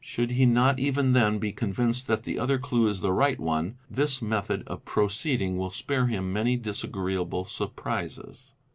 Should he not even then be convinced that the other clue is the mght one, this method _ of proceeding will spare him many disagreeable surprises.